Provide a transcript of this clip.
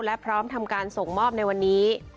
และพร้อมทำการส่งมอบในวันนี้